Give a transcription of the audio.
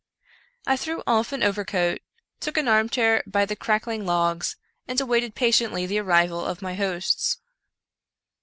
I threw off an overcoat, took an armchair by the crackling logs, and awaited patiently the arrival of my hosts.